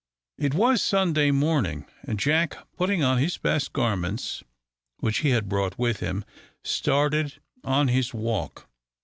It was Sunday morning; and Jack, putting on his best garments which he had brought with him, started on his walk.